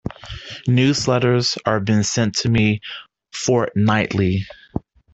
Newsletters are being sent to me fortnightly.